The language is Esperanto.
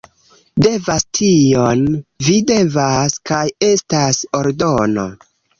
Devas tion... Vi devas. Kaj estas ordono.